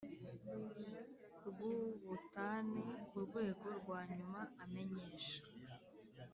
Rw ubutane ku rwego rwa nyuma amenyesha